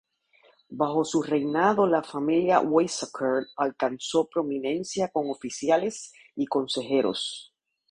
Bajo su reinado la familia Weizsäcker alcanzó prominencia como oficiales y consejeros.